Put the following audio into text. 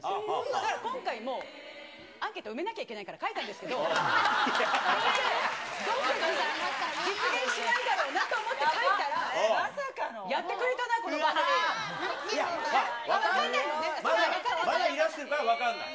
だから今回も、アンケート埋めなきゃいけないから書いたんですけど、どうせ、どうせ実現しないだろうなと思って書いたら、やってくれたな、まだいらしてるかは分からない。